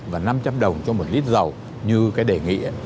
và năm trăm linh đồng cho một lít dầu như cái đề nghị